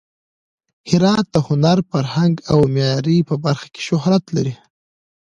هرات د هنر، فرهنګ او معمارۍ په برخه کې شهرت لري.